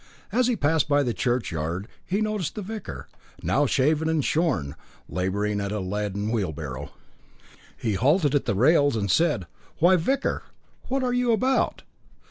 As he passed by the churchyard, he noticed the vicar, now shaven and shorn, labouring at a laden wheelbarrow. He halted at the rails and said: "Why, vicar, what are you about?"